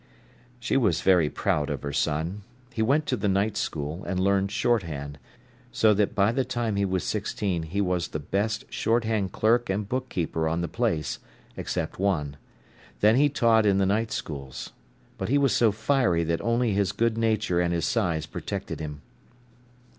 She was very proud of her son. He went to the night school, and learned shorthand, so that by the time he was sixteen he was the best shorthand clerk and book keeper on the place, except one. Then he taught in the night schools. But he was so fiery that only his good nature and his size protected him.